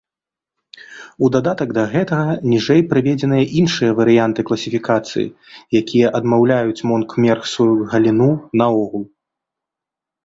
У дадатак да гэтага, ніжэй прыведзеныя іншыя варыянты класіфікацыі, якія адмаўляюць мон-кхмерскую галіну наогул.